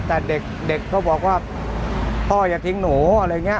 แต่เด็กก็บอกว่าพ่ออย่าทิ้งหนูอะไรอย่างนี้